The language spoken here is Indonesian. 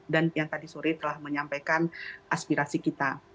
dan yang tadi sore telah menyampaikan aspirasi kita